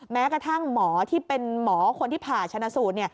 แม้กระทั่งหมอที่เป็นหมอคนที่ผ่าชนะสูตร